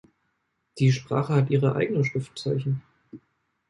Die Sprache hat ihre eigenen Schriftzeichen.